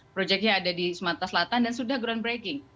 proyeknya ada di sumatera selatan dan sudah groundbreaking